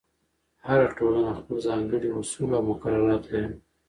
هر ټولنه خپل ځانګړي اصول او مقررات لري.